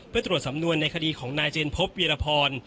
เพื่อตรวจสำนวนในคดีของนายเจนพบเวียรพร